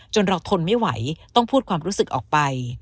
เราทนไม่ไหวต้องพูดความรู้สึกออกไป